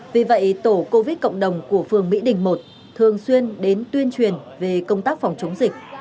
vì vậy tổ covid cộng đồng của phường mỹ đình một thường xuyên đến tuyên truyền về công tác phòng chống dịch